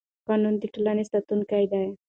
قانون د ټولنې ساتونکی دی